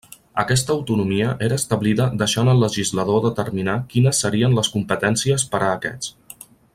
Aquesta autonomia era establida deixant al legislador determinar quines serien les competències per a aquests.